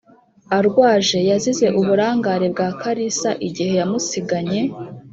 arwaje yazize uburangare bwa Karisa igihe yamusiganye